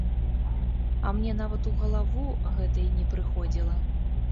А мне нават у галаву гэта й не прыходзіла.